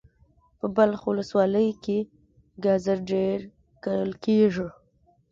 په بلخ ولسوالی کی ګازر ډیر کرل کیږي.